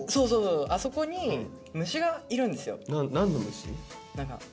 あそこに虫がいるんですよ。何の虫？